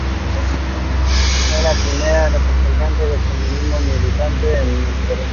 Fue la primera representante del feminismo militante en el Perú.